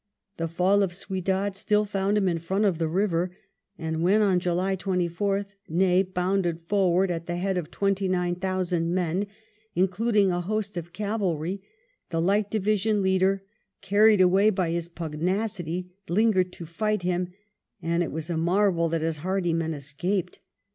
The fall of Ciudad still found him in front of the river; and when on July 24th Ney bounded forward at the head of twenty nine thousand men, including a host of cavalry, the Light Division leader, carried away by his pugnacity, lingered to fight him, and it was a marvel that his hardy men escaped.